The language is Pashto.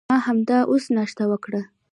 ما همدا اوس ناشته وکړه.